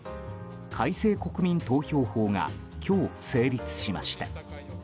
改正国民投票法が今日成立しました。